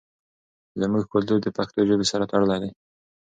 زموږ کلتور د پښتو ژبې سره تړلی دی.